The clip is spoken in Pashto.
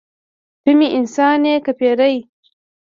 ته مې انسان یې که پیری.